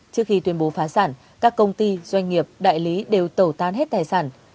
trước khi tuyên bố phá sản các công ty doanh nghiệp đại lý đều tẩu tán hết tài sản